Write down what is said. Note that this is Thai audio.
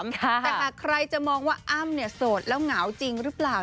ไปตาค่ะใครจะมองว่าอ้ำนี่โสดแล้วหงาวจริงรึเปล่า